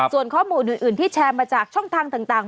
ส่วนข้อมูลอื่นที่แชร์มาจากช่องทางต่าง